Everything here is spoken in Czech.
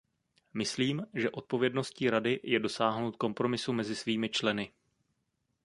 Myslím, že odpovědností Rady je dosáhnout kompromisu mezi svými členy.